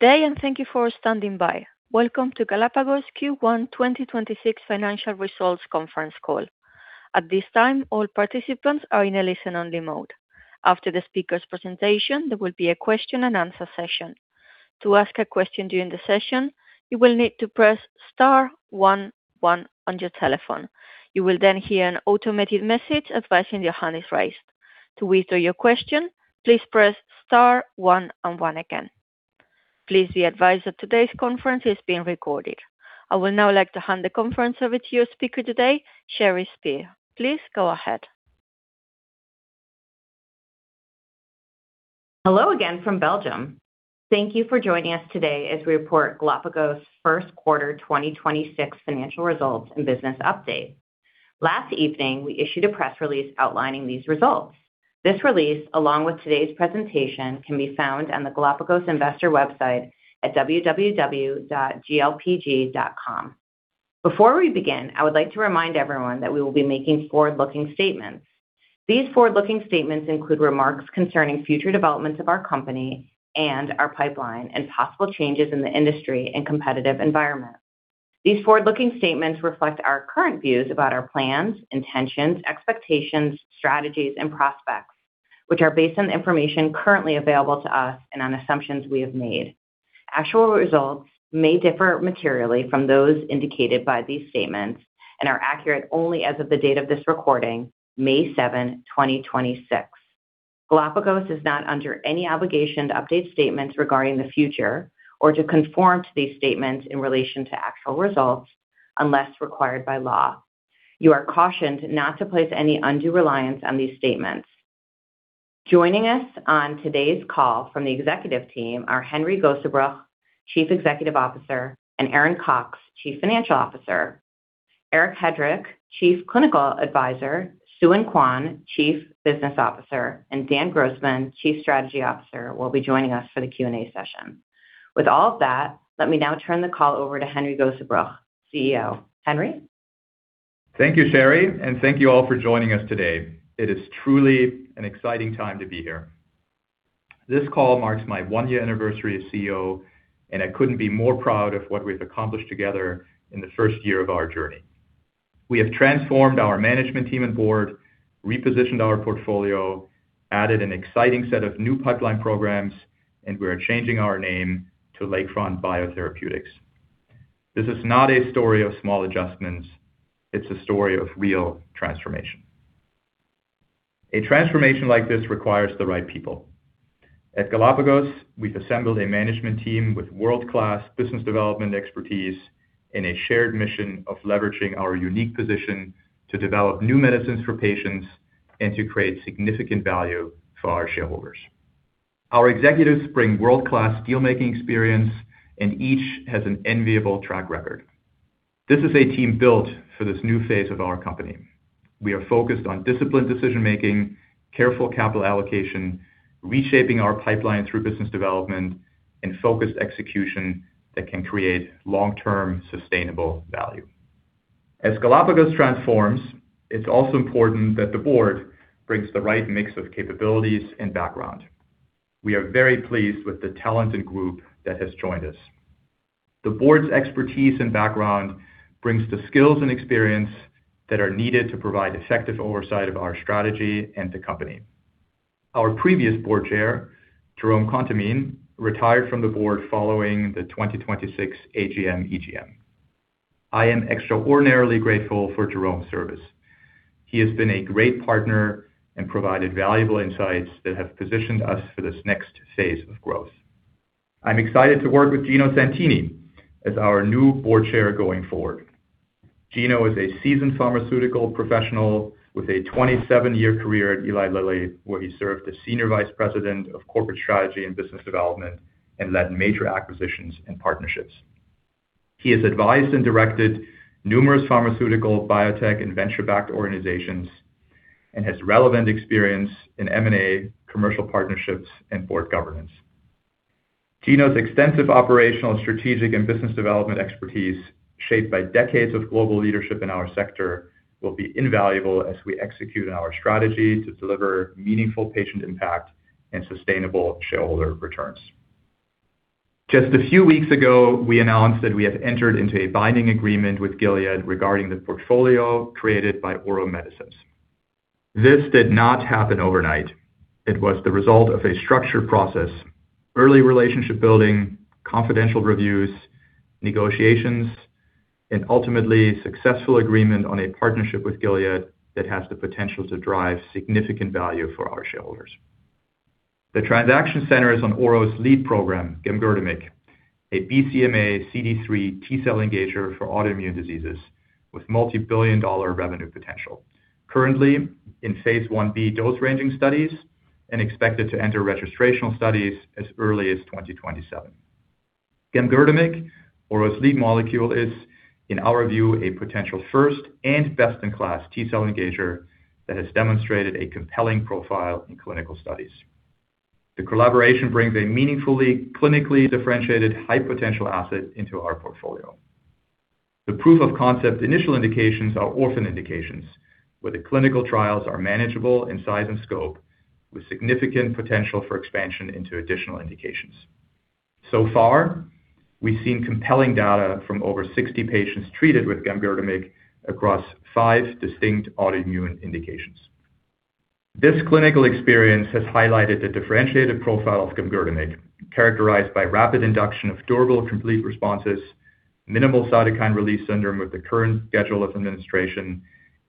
Good day. Thank you for standing by. Welcome to Galapagos Q1 2026 financial results conference call. At this time, all participants are in a listen-only mode. After the speaker's presentation, there will be a question-and-answer session. To ask a question during the session, you will need to press star one one on your telephone. You will hear an automated message advising your hand is raised. To withdraw your question, please press star one and one again. Please be advised that today's conference is being recorded. I would now like to hand the conference over to your speaker today, Sherri Spear. Please go ahead. Hello again from Belgium. Thank you for joining us today as we report Galapagos first quarter 2026 financial results and business update. Last evening, we issued a press release outlining these results. This release, along with today's presentation, can be found on the Galapagos investor website at www.glpg.com. Before we begin, I would like to remind everyone that we will be making forward-looking statements. These forward-looking statements include remarks concerning future developments of our company and our pipeline and possible changes in the industry and competitive environment. These forward-looking statements reflect our current views about our plans, intentions, expectations, strategies, and prospects, which are based on the information currently available to us and on assumptions we have made. Actual results may differ materially from those indicated by these statements and are accurate only as of the date of this recording, May 7, 2026. Galapagos is not under any obligation to update statements regarding the future or to conform to these statements in relation to actual results unless required by law. You are cautioned not to place any undue reliance on these statements. Joining us on today's call from the executive team are Henry Gosebruch, Chief Executive Officer, and Aaron Cox, Chief Financial Officer. Eric Hedrick, Chief Clinical Advisor, Sooin Kwon, Chief Business Officer, and Dan Grossman, Chief Strategy Officer, will be joining us for the Q&A session. With all of that, let me now turn the call over to Henry Gosebruch, CEO. Henry? Thank you, Sherri, and thank you all for joining us today. It is truly an exciting time to be here. This call marks my one-year anniversary as CEO, and I couldn't be more proud of what we've accomplished together in the first year of our journey. We have transformed our management team and board, repositioned our portfolio, added an exciting set of new pipeline programs, and we are changing our name to Lakefront Biotherapeutics. This is not a story of small adjustments. It's a story of real transformation. A transformation like this requires the right people. At Galapagos, we've assembled a management team with world-class business development expertise and a shared mission of leveraging our unique position to develop new medicines for patients and to create significant value for our shareholders. Our executives bring world-class deal-making experience, and each has an enviable track record. This is a team built for this new phase of our company. We are focused on disciplined decision-making, careful capital allocation, reshaping our pipeline through business development, and focused execution that can create long-term sustainable value. As Galapagos transforms, it's also important that the board brings the right mix of capabilities and background. We are very pleased with the talented group that has joined us. The board's expertise and background brings the skills and experience that are needed to provide effective oversight of our strategy and the company. Our previous board chair, Jérôme Contamine, retired from the board following the 2026 AGM/EGM. I am extraordinarily grateful for Jérôme's service. He has been a great partner and provided valuable insights that have positioned us for this next phase of growth. I'm excited to work with Gino Santini as our new board chair going forward. Gino is a seasoned pharmaceutical professional with a 27-year career at Eli Lilly, where he served as Senior Vice President of Corporate Strategy and Business Development and led major acquisitions and partnerships. He has advised and directed numerous pharmaceutical, biotech, and venture-backed organizations and has relevant experience in M&A, commercial partnerships, and board governance. Gino's extensive operational, strategic, and business development expertise, shaped by decades of global leadership in our sector, will be invaluable as we execute on our strategy to deliver meaningful patient impact and sustainable shareholder returns. Just a few weeks ago, we announced that we have entered into a binding agreement with Gilead regarding the portfolio created by Ouro Medicines. This did not happen overnight. It was the result of a structured process, early relationship building, confidential reviews, negotiations, and ultimately successful agreement on a partnership with Gilead that has the potential to drive significant value for our shareholders. The transaction centers on Ouro's lead program, gamgertamig, a BCMA/CD3 T-cell engager for autoimmune diseases with multi-billion-dollar revenue potential. Currently in Phase 1b dose-ranging studies and expected to enter registrational studies as early as 2027. Gamgertamig, Ouro's lead molecule, is, in our view, a potential first and best-in-class T-cell engager that has demonstrated a compelling profile in clinical studies. The collaboration brings a meaningfully clinically differentiated high-potential asset into our portfolio. The proof of concept initial indications are orphan indications, where the clinical trials are manageable in size and scope, with significant potential for expansion into additional indications. We've seen compelling data from over 60 patients treated with gamgertamig across five distinct autoimmune indications. This clinical experience has highlighted the differentiated profile of gamgertamig, characterized by rapid induction of durable complete responses, minimal cytokine release syndrome with the current schedule of administration,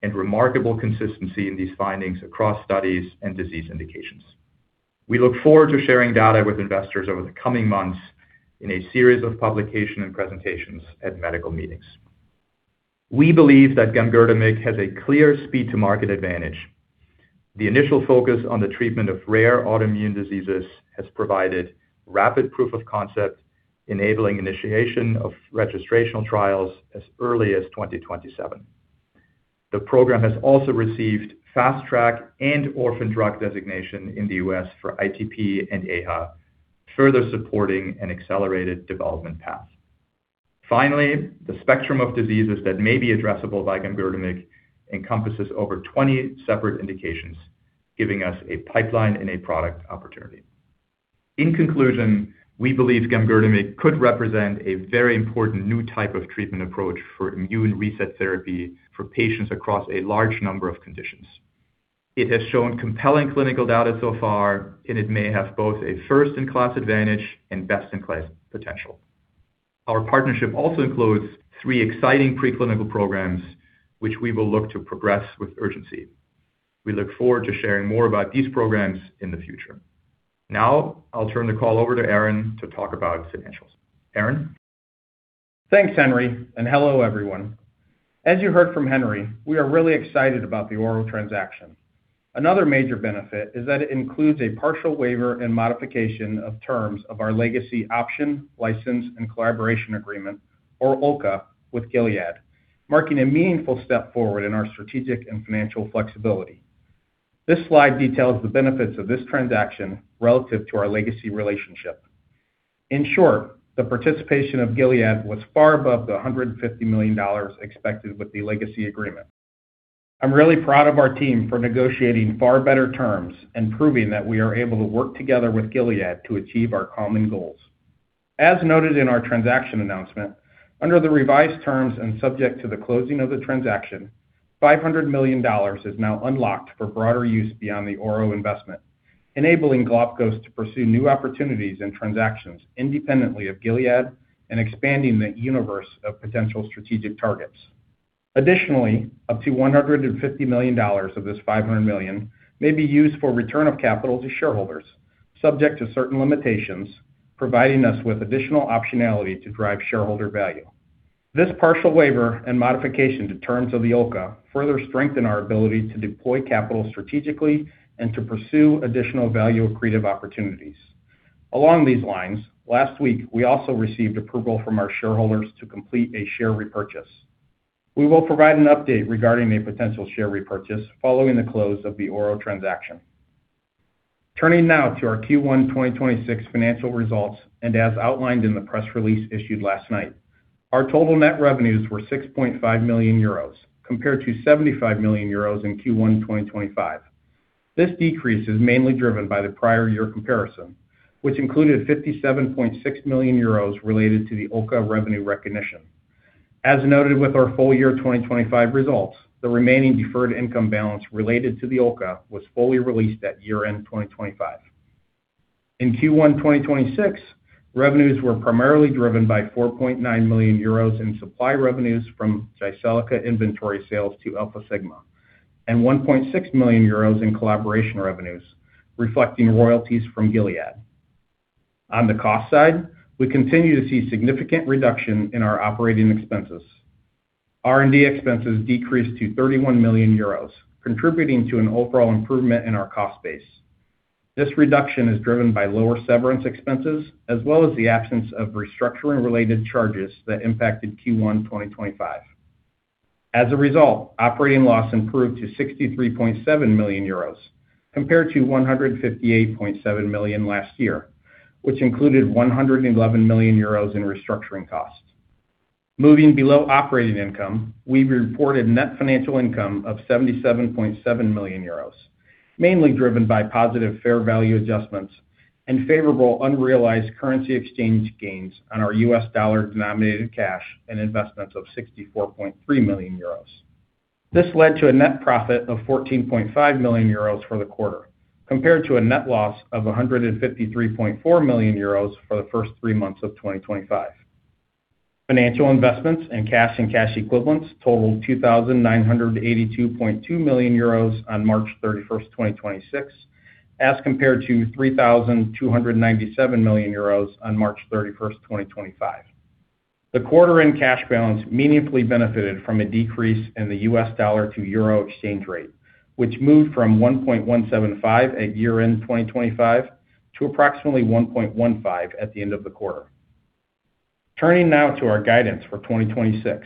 and remarkable consistency in these findings across studies and disease indications. We look forward to sharing data with investors over the coming months in a series of publication and presentations at medical meetings. We believe that gamgertamig has a clear speed to market advantage. The initial focus on the treatment of rare autoimmune diseases has provided rapid proof of concept, enabling initiation of registrational trials as early as 2027. The program has also received Fast Track and Orphan Drug Designation in the U.S. for ITP and AHA, further supporting an accelerated development path. Finally, the spectrum of diseases that may be addressable by gamgertamig encompasses over 20 separate indications, giving us a pipeline and a product opportunity. In conclusion, we believe gamgertamig could represent a very important new type of treatment approach for immune reset therapy for patients across a large number of conditions. It has shown compelling clinical data so far, and it may have both a first-in-class advantage and best-in-class potential. Our partnership also includes three exciting preclinical programs, which we will look to progress with urgency. We look forward to sharing more about these programs in the future. Now, I'll turn the call over to Aaron to talk about financials. Aaron? Thanks, Henry, and hello, everyone. As you heard from Henry, we are really excited about the Ouro transaction. Another major benefit is that it includes a partial waiver and modification of terms of our legacy Option, License and Collaboration Agreement, or OLCA, with Gilead, marking a meaningful step forward in our strategic and financial flexibility. This slide details the benefits of this transaction relative to our legacy relationship. In short, the participation of Gilead was far above the $150 million expected with the legacy agreement. I'm really proud of our team for negotiating far better terms and proving that we are able to work together with Gilead to achieve our common goals. As noted in our transaction announcement, under the revised terms and subject to the closing of the transaction, $500 million is now unlocked for broader use beyond the Ouro Medicines investment, enabling Galapagos to pursue new opportunities and transactions independently of Gilead and expanding the universe of potential strategic targets. Up to $150 million of this $500 million may be used for return of capital to shareholders, subject to certain limitations, providing us with additional optionality to drive shareholder value. This partial waiver and modification to terms of the OLCA further strengthen our ability to deploy capital strategically and to pursue additional value-accretive opportunities. Last week, we also received approval from our shareholders to complete a share repurchase. We will provide an update regarding a potential share repurchase following the close of the Ouro Medicines transaction. Turning now to our Q1 2026 financial results, as outlined in the press release issued last night, our total net revenues were 6.5 million euros compared to 75 million euros in Q1 2025. This decrease is mainly driven by the prior year comparison, which included 57.6 million euros related to the OLCA revenue recognition. As noted with our full year 2025 results, the remaining deferred income balance related to the OLCA was fully released at year-end 2025. In Q1 2026, revenues were primarily driven by 4.9 million euros in supply revenues from Jyseleca inventory sales to Alfasigma, and 1.6 million euros in collaboration revenues, reflecting royalties from Gilead. On the cost side, we continue to see significant reduction in our operating expenses. R&D expenses decreased to 31 million euros, contributing to an overall improvement in our cost base. This reduction is driven by lower severance expenses as well as the absence of restructuring-related charges that impacted Q1 2025. As a result, operating loss improved to 63.7 million euros compared to 158.7 million last year, which included 111 million euros in restructuring costs. Moving below operating income, we've reported net financial income of 77.7 million euros, mainly driven by positive fair value adjustments and favorable unrealized currency exchange gains on our US dollar-denominated cash and investments of 64.3 million euros. This led to a net profit of 14.5 million euros for the quarter, compared to a net loss of 153.4 million euros for the first three months of 2025. Financial investments and cash and cash equivalents totaled 2,982.2 million euros on March 31, 2026, as compared to 3,297 million euros on March 31, 2025. The quarter-end cash balance meaningfully benefited from a decrease in the U.S. dollar to euro exchange rate, which moved from 1.175 at year-end 2025 to approximately 1.15 at the end of the quarter. Turning now to our guidance for 2026.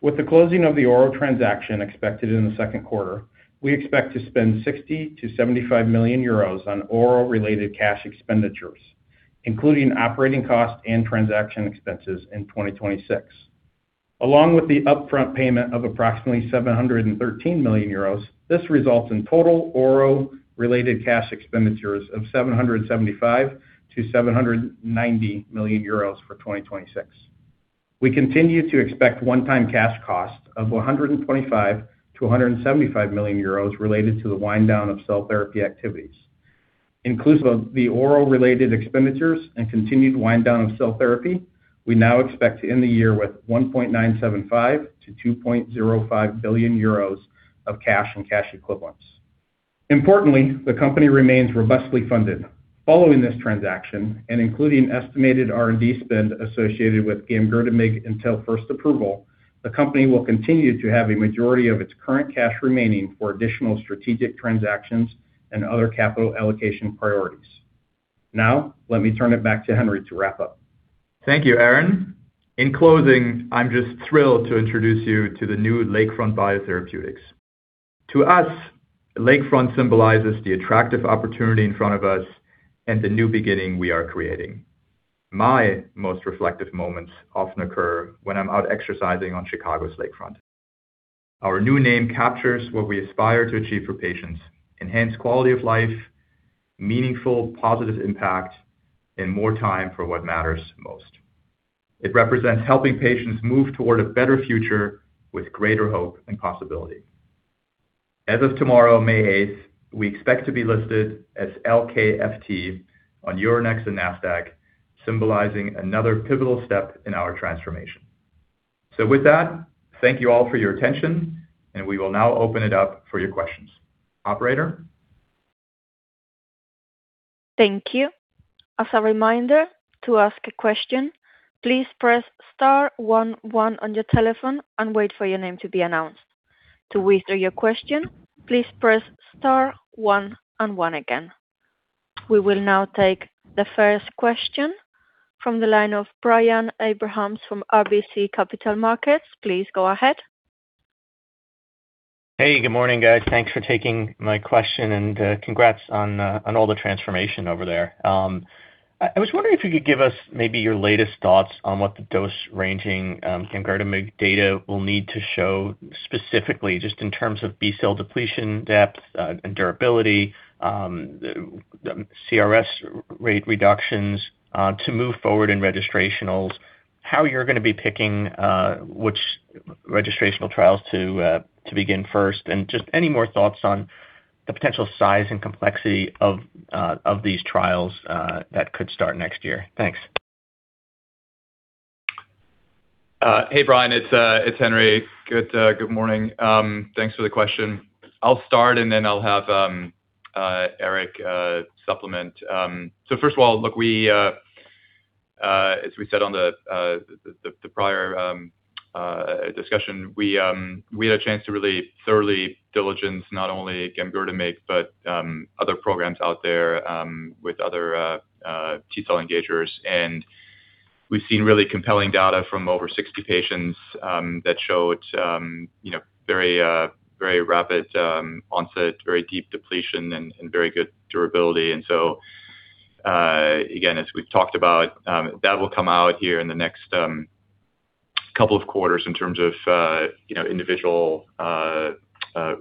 With the closing of the Ouro transaction expected in the second quarter, we expect to spend 60 million-75 million euros on Ouro-related cash expenditures, including operating costs and transaction expenses in 2026. Along with the upfront payment of approximately 713 million euros, this results in total Ouro-related cash expenditures of 775 million-790 million euros for 2026. We continue to expect one-time cash costs of 125 million-175 million euros related to the wind down of cell therapy activities. Inclusive of the Ouro-related expenditures and continued wind down of cell therapy, we now expect to end the year with 1.975 billion-2.05 billion euros of cash and cash equivalents. Importantly, the company remains robustly funded. Following this transaction and including estimated R&D spend associated with gamgertamig until first approval, the company will continue to have a majority of its current cash remaining for additional strategic transactions and other capital allocation priorities. Now, let me turn it back to Henry to wrap up. Thank you, Aaron. In closing, I'm just thrilled to introduce you to the new Lakefront Biotherapeutics. To us, Lakefront symbolizes the attractive opportunity in front of us and the new beginning we are creating. My most reflective moments often occur when I'm out exercising on Chicago's lakefront. Our new name captures what we aspire to achieve for patients, enhance quality of life, meaningful, positive impact, and more time for what matters most. It represents helping patients move toward a better future with greater hope and possibility. As of tomorrow, May 8th, we expect to be listed as LKFT on Euronext and Nasdaq, symbolizing another pivotal step in our transformation. With that, thank you all for your attention, and we will now open it up for your questions. Operator. Thank you. As a reminder, to ask a question, please press star one one on your telephone and wait for your name to be announced. To withdraw your question, please press star one and one again. We will now take the first question from the line of Brian Abrahams from RBC Capital Markets. Please go ahead. Hey, good morning, guys. Thanks for taking my question and congrats on all the transformation over there. I was wondering if you could give us maybe your latest thoughts on what the dose ranging gamgertamig data will need to show specifically just in terms of B-cell depletion depth and durability, the CRS rate reductions to move forward in registrationals. How you're gonna be picking which registrational trials to begin first, and just any more thoughts on the potential size and complexity of these trials that could start next year? Thanks. Hey, Brian, it's Henry. Good morning. Thanks for the question. I'll start, and then I'll have Eric supplement. First of all, look, we, as we said on the prior discussion, we had a chance to really thoroughly diligence not only gamgertamig, but other programs out there with other T-cell engagers. We've seen really compelling data from over 60 patients that showed very rapid onset, very deep depletion and very good durability. Again, as we've talked about, that will come out here in the next couple of quarters in terms of individual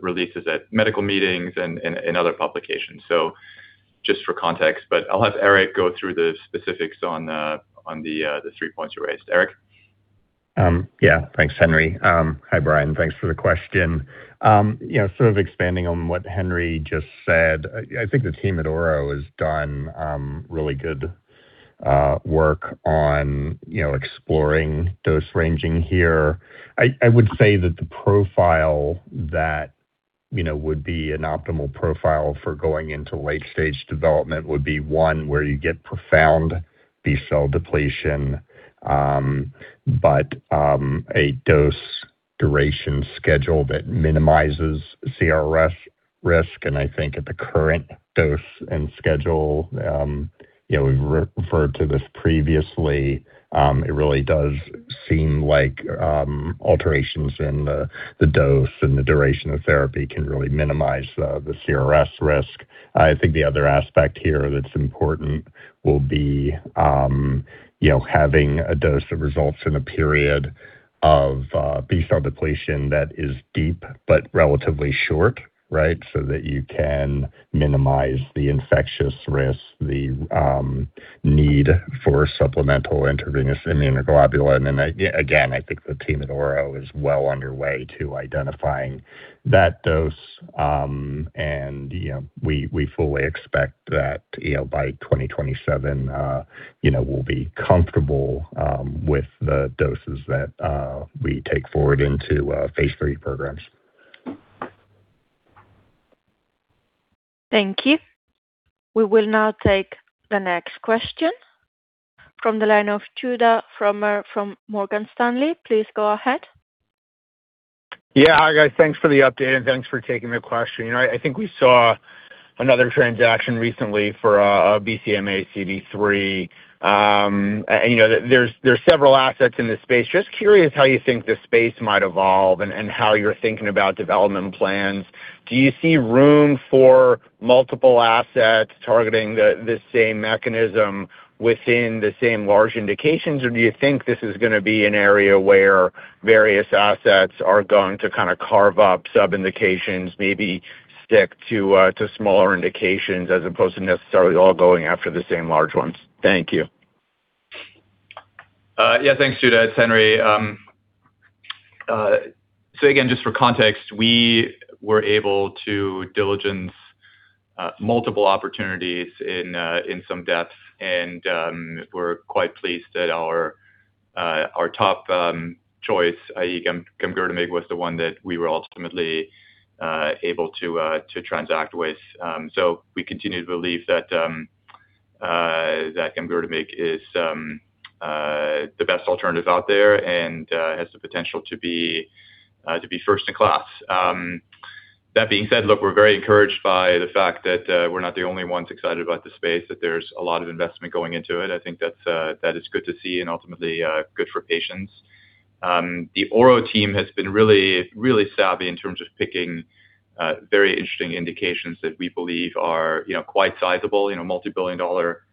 releases at medical meetings and other publications. Just for context, I'll have Eric go through the specifics on the three points you raised. Eric. Yeah. Thanks, Henry. Hi, Brian. Thanks for the question. You know, sort of expanding on what Henry just said, I think the team at Ouro has done really good work on, you know, exploring dose ranging here. I would say that the profile that, you know, would be an optimal profile for going into late-stage development would be one where you get profound B-cell depletion, but a dose duration schedule that minimizes CRS risk. I think at the current dose and schedule, you know, we've re-referred to this previously, it really does seem like alterations in the dose and the duration of therapy can really minimize the CRS risk. I think the other aspect here that's important will be, you know, having a dose that results in a period of B-cell depletion that is deep but relatively short, right? That you can minimize the infectious risk, the need for supplemental intravenous immunoglobulin. Again, I think the team at Ouro is well on your way to identifying that dose. You know, we fully expect that, you know, by 2027, you know, we'll be comfortable with the doses that we take forward into phase III programs. Thank you. We will now take the next question from the line of Judah Frommer from Morgan Stanley. Please go ahead. Yeah. Hi, guys. Thanks for the update, and thanks for taking the question. You know, I think we saw another transaction recently for a BCMA/CD3. You know, there's several assets in this space. I'm just curious how you think this space might evolve and how you're thinking about development plans. Do you see room for multiple assets targeting the same mechanism within the same large indications? Do you think this is gonna be an area where various assets are going to kind of carve up sub-indications, maybe stick to smaller indications as opposed to necessarily all going after the same large ones? Thank you. Thanks, Judah. It's Henry. Again, just for context, we were able to diligence multiple opportunities in some depth. We're quite pleased that our top choice, i.e., gamgertamig, was the one that we were ultimately able to transact with. We continue to believe that gamgertamig is the best alternative out there and has the potential to be first in class. That being said, look, we're very encouraged by the fact that we're not the only ones excited about the space, that there's a lot of investment going into it. I think that's that is good to see and ultimately good for patients. The Ouro team has been really, really savvy in terms of picking very interesting indications that we believe are, you know, quite sizable, you know, multi-billion EUR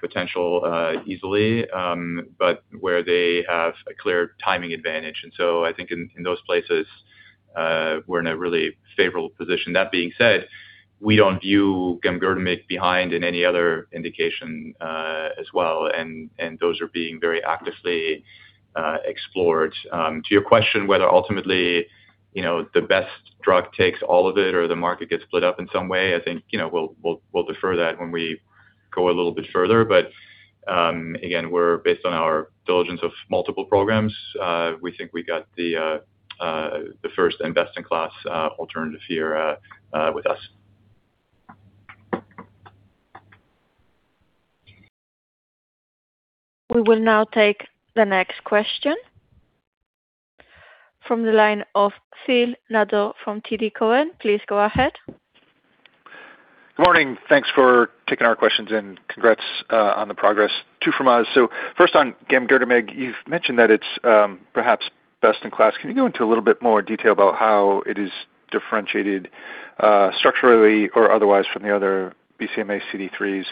potential easily. Where they have a clear timing advantage. I think in those places, we're in a really favorable position. That being said, we don't view gamgertamig behind in any other indication as well, and those are being very actively explored. To your question, whether ultimately, you know, the best drug takes all of it or the market gets split up in some way, I think, you know, we'll defer that when we go a little bit further. Again, we're based on our diligence of multiple programs. We think we got the first and best in class alternative here with us. We will now take the next question from the line of Phil Nadeau from TD Cowen. Please go ahead. Good morning. Thanks for taking our questions, congrats on the progress. Two from us. First on gamgertamig, you've mentioned that it's perhaps best in class. Can you go into a little bit more detail about how it is differentiated structurally or otherwise from the other BCMA CD3s?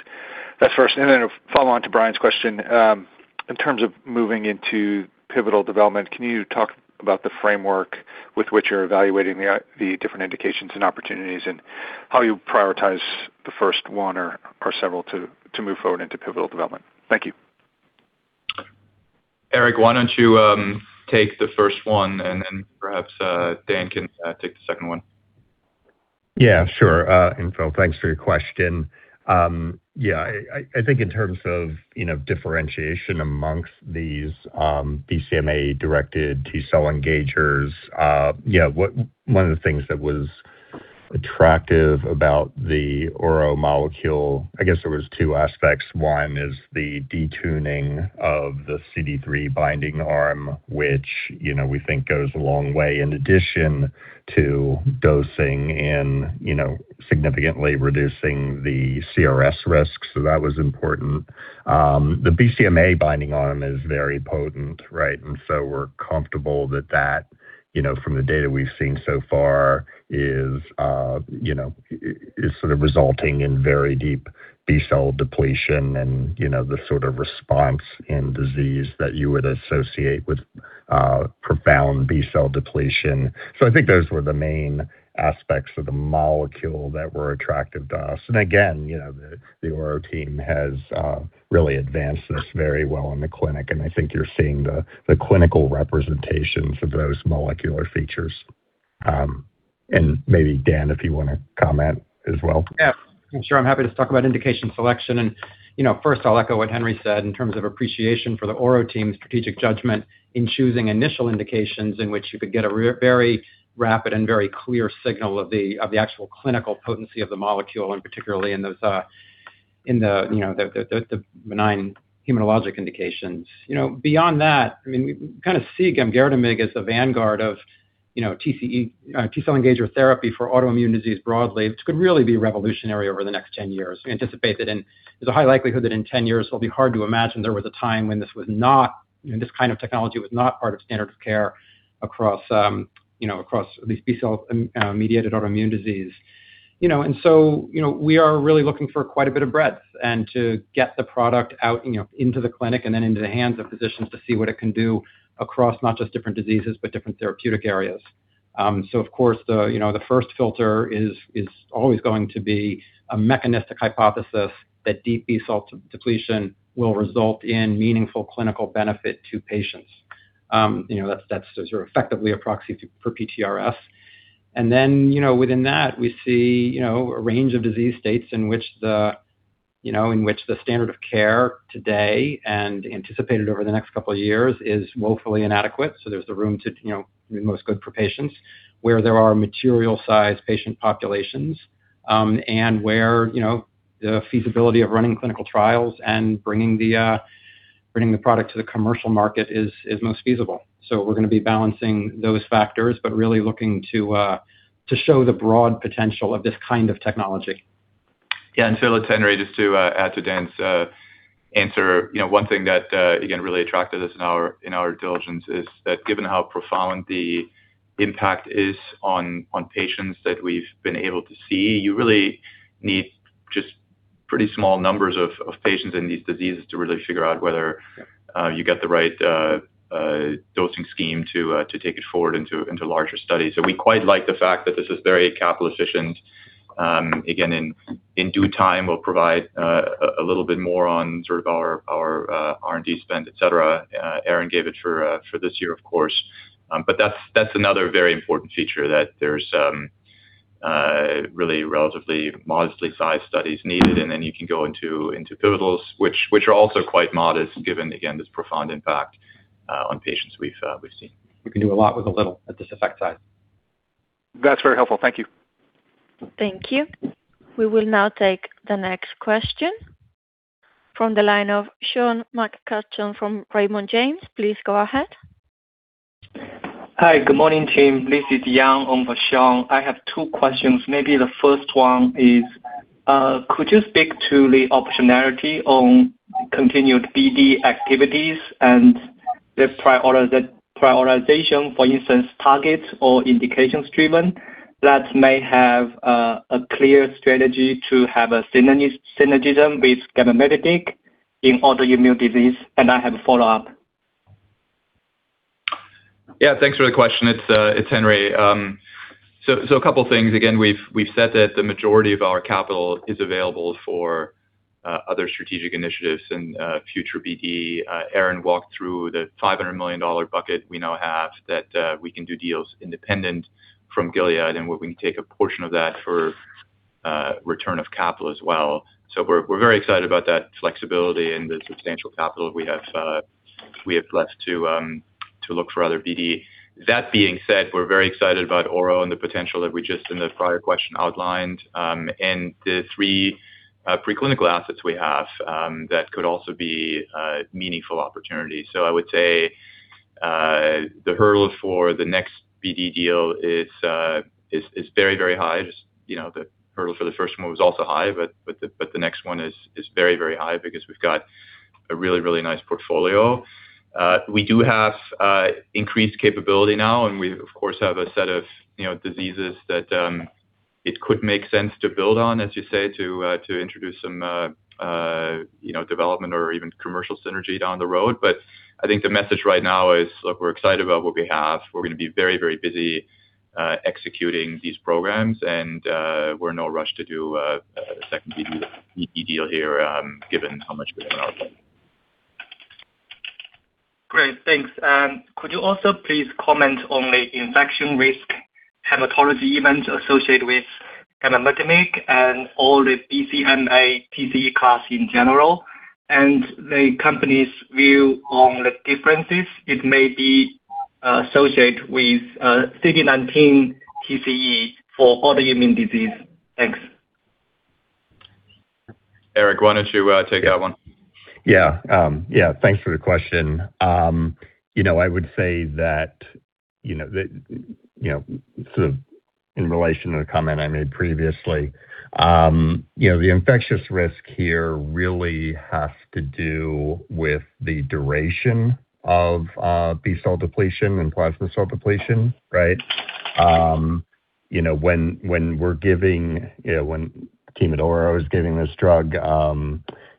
That's first. Then a follow-on to Brian's question. In terms of moving into pivotal development, can you talk about the framework with which you're evaluating the different indications and opportunities, and how you prioritize the first one or several to move forward into pivotal development? Thank you. Eric, why don't you, take the first one, and then perhaps, Dan can, take the second one. Yeah, sure, Phil, thanks for your question. I think in terms of, you know, differentiation amongst these BCMA-directed T-cell engagers, one of the things that was attractive about the Ouro molecule, I guess there was two aspects. One is the detuning of the CD3 binding arm, which, you know, we think goes a long way in addition to dosing and, you know, significantly reducing the CRS risk. That was important. The BCMA binding arm is very potent, right? We're comfortable that, you know, from the data we've seen so far is, you know, is sort of resulting in very deep B-cell depletion and, you know, the sort of response in disease that you would associate with profound B-cell depletion. I think those were the main aspects of the molecule that were attractive to us. Again, you know, the Ouro Medicines team has really advanced this very well in the clinic, and I think you're seeing the clinical representations of those molecular features. Maybe Dan, if you wanna comment as well. Yeah. Sure. I'm happy to talk about indication selection. You know, first I'll echo what Henry said in terms of appreciation for the Ouro team's strategic judgment in choosing initial indications in which you could get a very rapid and very clear signal of the actual clinical potency of the molecule, and particularly in those in the, you know, the benign hematologic indications. You know, beyond that, I mean, we kind of see gamgertamig as the vanguard of, you know, TCE T-cell engager therapy for autoimmune disease broadly, which could really be revolutionary over the next 10 years. We anticipate that There's a high likelihood that in 10 years, it'll be hard to imagine there was a time when this was not, you know, this kind of technology was not part of standard of care across, you know, across these B-cell mediated autoimmune disease. You know, we are really looking for quite a bit of breadth and to get the product out, you know, into the clinic and then into the hands of physicians to see what it can do across not just different diseases, but different therapeutic areas. Of course, the first filter is always going to be a mechanistic hypothesis that deep B-cell depletion will result in meaningful clinical benefit to patients. You know, that's sort of effectively a proxy for PTRS. You know, within that, we see, you know, a range of disease states in which the standard of care today and anticipated over the next couple of years is woefully inadequate. There's the room to, you know, do the most good for patients, where there are material size patient populations, and where, you know, the feasibility of running clinical trials and bringing the product to the commercial market is most feasible. We're gonna be balancing those factors, but really looking to show the broad potential of this kind of technology. Yeah. Phil, it's Henry. Just to add to Dan's answer. You know, one thing that again, really attracted us in our, in our diligence is that given how profound the impact is on patients that we've been able to see, you really need just pretty small numbers of patients in these diseases to really figure out. Yeah You get the right dosing scheme to take it forward into larger studies. We quite like the fact that this is very capital efficient. Again, in due time, we'll provide a little bit more on sort of our R&D spend, et cetera. Aaron gave it for this year, of course. But that's another very important feature that there's really relatively modestly sized studies needed. You can go into pivotals, which are also quite modest, given again, this profound impact on patients we've seen. We can do a lot with a little at this effect size. That's very helpful. Thank you. Thank you. We will now take the next question from the line of Sean McCutcheon from Raymond James. Please go ahead. Hi. Good morning, team. This is Yang on for Sean. I have two questions. Maybe the first one is, could you speak to the optionality on continued BD activities and the prioritization, for instance, targets or indications driven that may have a clear strategy to have a synergism with gamgertamig in autoimmune disease? I have a follow-up. Yeah, thanks for the question. It's Henry. A couple things. Again, we've said that the majority of our capital is available for other strategic initiatives and future BD. Aaron walked through the EUR 500 million bucket we now have that we can do deals independent from Gilead, and we can take a portion of that for return of capital as well. We're very excited about that flexibility and the substantial capital we have left to look for other BD. That being said, we're very excited about Ouro and the potential that we just in the prior question outlined, and the three preclinical assets we have that could also be a meaningful opportunity. I would say, the hurdle for the next BD deal is very, very high. Just, you know, the hurdle for the first one was also high, but the next one is very, very high because we've got a really, really nice portfolio. We do have increased capability now, and we of course have a set of, you know, diseases that it could make sense to build on, as you say, to introduce some, you know, development or even commercial synergy down the road. I think the message right now is, look, we're excited about what we have. We're gonna be very, very busy executing these programs, and we're in no rush to do a second BD deal here, given how much we have in our plate. Great. Thanks. Could you also please comment on the infection risk hematology event associated with gamgertamig and all the BCMA TCE class in general, and the company's view on the differences it may be associated with CD19 TCE for autoimmune disease? Thanks. Eric, why don't you take that one? Yeah, thanks for the question. You know, I would say that, you know, the, you know, sort of in relation to the comment I made previously, you know, the infectious risk here really has to do with the duration of B-cell depletion and plasma cell depletion, right. You know, when we're giving, you know, when team at Ouro is giving this drug,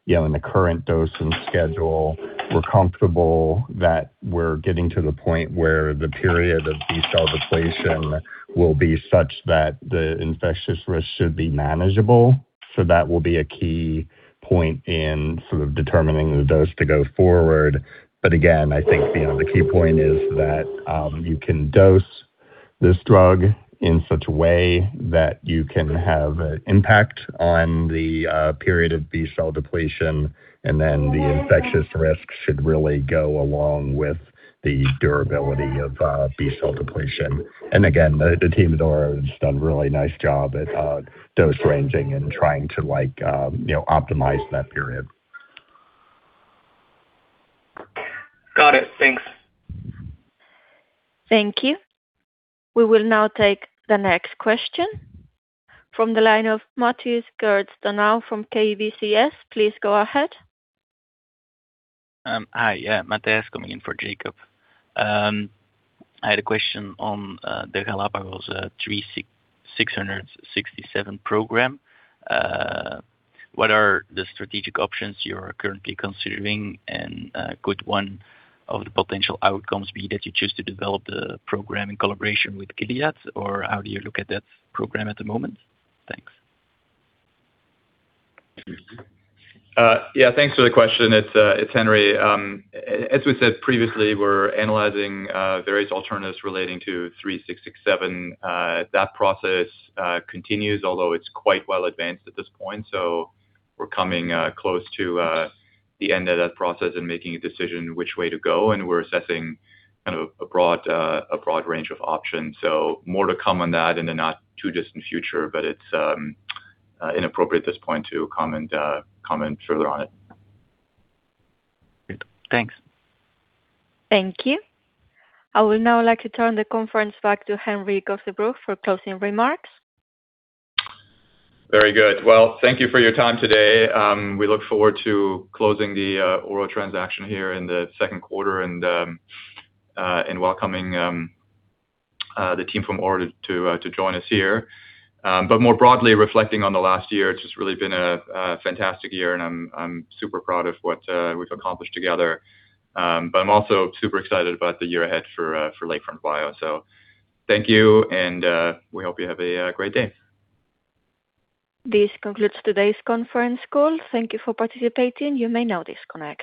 you know, in the current dose and schedule, we're comfortable that we're getting to the point where the period of B-cell depletion will be such that the infectious risk should be manageable. That will be a key point in sort of determining the dose to go forward. Again, I think, you know, the key point is that you can dose this drug in such a way that you can have an impact on the period of B-cell depletion, and then the infectious risk should really go along with the durability of B-cell depletion. Again, the team at Ouro has done a really nice job at dose ranging and trying to like, you know, optimize that period. Got it. Thanks. Thank you. We will now take the next question from the line of [Matthias] from KBCS. Please go ahead. Hi. Yeah, Matthias coming in for Jacob. I had a question on the Galapagos 36,667 program. What are the strategic options you are currently considering? Could one of the potential outcomes be that you choose to develop the program in collaboration with Gilead, or how do you look at that program at the moment? Thanks. Yeah, thanks for the question. It's Henry. As we said previously, we're analyzing various alternatives relating to 3667. That process continues, although it's quite well advanced at this point. We're coming close to the end of that process and making a decision which way to go, and we're assessing kind of a broad range of options. More to come on that in the not too distant future, but it's inappropriate at this point to comment further on it. Great. Thanks. Thank you. I would now like to turn the conference back to Henry Gosebruch for closing remarks. Very good. Well, thank you for your time today. We look forward to closing the Ouro transaction here in the second quarter and welcoming the team from Ouro to join us here. More broadly reflecting on the last year, it's just really been a fantastic year, and I'm super proud of what we've accomplished together. I'm also super excited about the year ahead for Lakefront Biotherapeutics. Thank you, and we hope you have a great day. This concludes today's conference call. Thank you for participating. You may now disconnect.